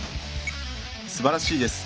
すばらしいです。